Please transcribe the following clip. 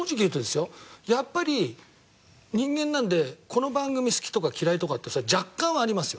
やっぱり人間なんでこの番組好きとか嫌いとかってそりゃ若干はありますよ。